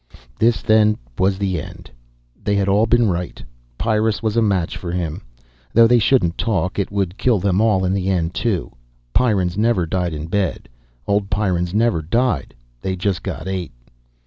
This, then, was the end. They had all been right, Pyrrus was a match for him. Though they shouldn't talk. It would kill them all in the end, too. Pyrrans never died in bed. Old Pyrrans never died, they just got et.